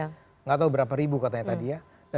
tidak tahu berapa ribu katanya tadi ya